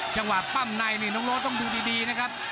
จังหวะปั้มในนี่น้องโรดต้องดูดีนะครับ